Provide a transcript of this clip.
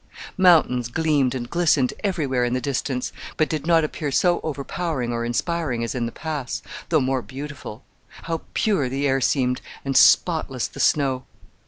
Mountains gleamed and glistened everywhere in the distance, but did not appear so overpowering or inspiring as in the Pass, though more beautiful. How pure the air seemed, and spotless the snow!